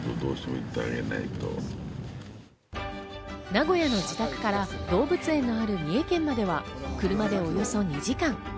名古屋の自宅から動物園のある三重県までは車でおよそ２時間。